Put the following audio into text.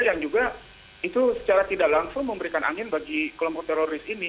dan juga itu secara tidak langsung memberikan angin bagi kelompok teroris ini